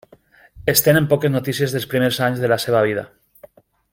Es tenen poques notícies dels primers anys de la seva vida.